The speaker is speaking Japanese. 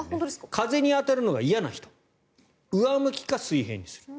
風に当たるのが嫌な人は上向きか水平にする。